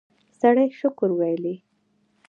سړی شکر ویلی.